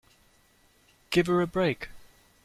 Give her a break!